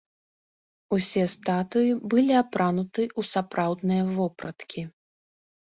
Усе статуі былі апрануты ў сапраўдныя вопраткі.